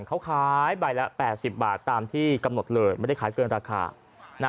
เขาขายใบละ๘๐บาทตามที่กำหนดเลยไม่ได้ขายเกินราคานะ